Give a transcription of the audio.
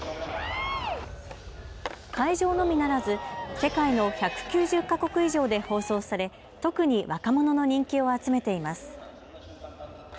会場のみならず世界の１９０か国以上で放送され、特に若者の人気を集めています。